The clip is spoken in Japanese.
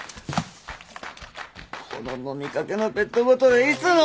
この飲みかけのペットボトルいつの！？